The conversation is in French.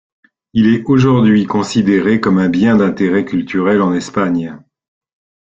Il est aujourd'hui considéré comme un bien d'intérêt culturel en Espagne.